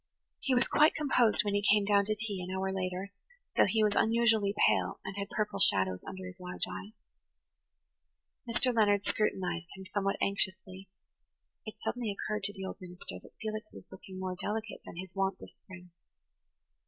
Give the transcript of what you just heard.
He was quite composed when he came down to tea, an hour later, though he was unusually pale and had purple shadows under his large eyes. Mr. Leonard scrutinized him somewhat anxiously; it suddenly occurred to the old minister that Felix was looking more delicate than his wont this spring.